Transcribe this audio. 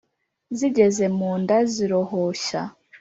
Zigeze mu nda zirohoshya